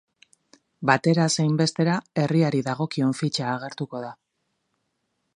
Batera zein bestera, herriari dagokion fitxa agertuko da.